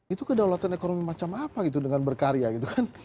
itu kedaulatan ekonomi macam apa gitu dengan berkarya gitu kan